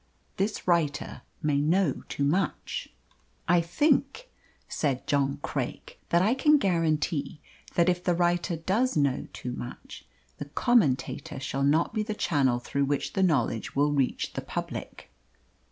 This writer may know too much." "I think," said John Craik, "that I can guarantee that if the writer does know too much, the Commentator shall not be the channel through which the knowledge will reach the public."